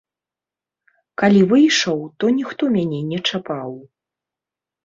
Калі выйшаў, то ніхто мяне не чапаў.